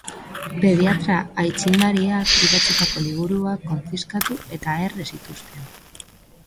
Pediatra aitzindariak idatzitako liburuak konfiskatu eta erre zituzten.